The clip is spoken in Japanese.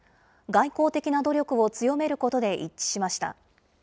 外交的な努力を強めることで一致しました。